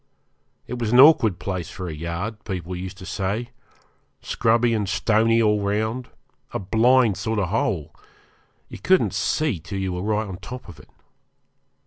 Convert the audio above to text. It was an awkward place for a yard, people used to say; scrubby and stony all round, a blind sort of hole you couldn't see till you were right on the top of it.